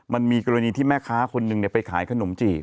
มันมีกรณีที่แม่ค้าคนหนึ่งไปขายขนมจีบ